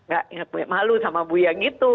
gak inget malu sama bu ya gitu